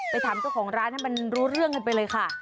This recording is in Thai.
ถามเจ้าของร้านให้มันรู้เรื่องกันไปเลยค่ะ